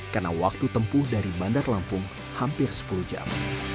karena waktu tempuh dari bandar lampung hampir sepuluh jam